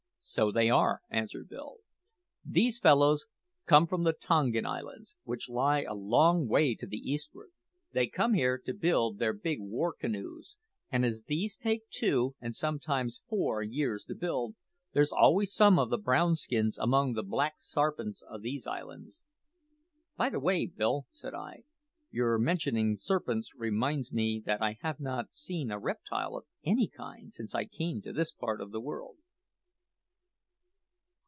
"So they are," answered Bill. "These fellows come from the Tongan Islands, which lie a long way to the eastward. They come here to build their big war canoes; and as these take two, and sometimes four, years to build, there's always some o' the brown skins among the black sarpents o' these islands." "By the way, Bill," said I, "your mentioning serpents reminds me that I have not seen a reptile of any kind since I came to this part of the world."